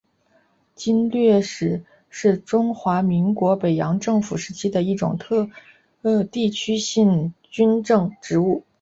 经略使是中华民国北洋政府时期的一种地区性军政职务。